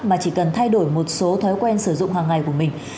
mà chỉ cần thay đổi một số thói quen sử dụng hàng ngày của mình